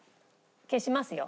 消しますよ。